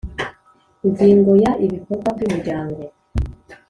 Ingingo ya ibikorwa by umuryango